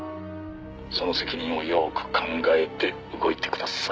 「その責任をよく考えて動いてください」